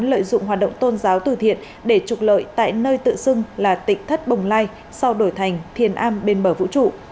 lợi dụng hoạt động tôn giáo tử thiện để trục lợi tại nơi tự xưng là tỉnh thất bồng lai sau đổi thành thiên am bên bờ vũ trụ